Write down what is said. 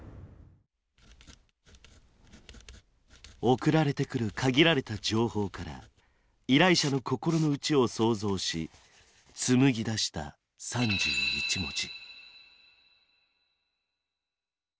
送られてくる限られた情報から依頼者の心の内を想像し紡ぎ出した３１文字。